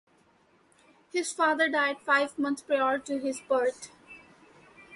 His father died five months prior to his birth.